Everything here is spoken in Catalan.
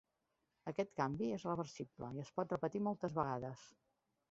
Aquest canvi és reversible i es pot repetir moltes vegades.